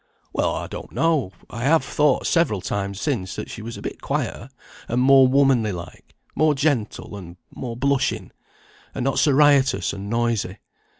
"Well, I don't know. I have thought several times since, that she was a bit quieter, and more womanly like; more gentle, and more blushing, and not so riotous and noisy.